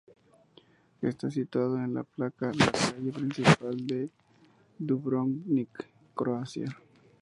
Está situado en la Placa, la calle principal de Dubrovnik, Croacia.